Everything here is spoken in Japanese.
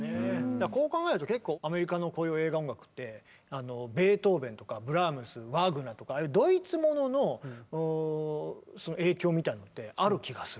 だからこう考えると結構アメリカのこういう映画音楽ってベートーベンとかブラームスワーグナーとかああいうドイツものの影響みたいなのってある気がするね。